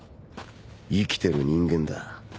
生きてる人間だ